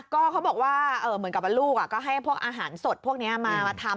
ก็เขาบอกว่าเหมือนกับว่าลูกก็ให้พวกอาหารสดพวกนี้มาทำ